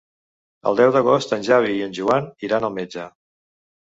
El deu d'agost en Xavi i en Joan iran al metge.